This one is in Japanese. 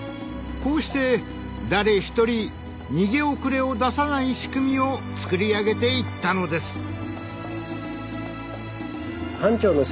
こうして誰ひとり逃げ遅れを出さない仕組みを作り上げていったのです。